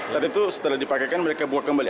tadi itu setelah dipakaikan mereka buang kembali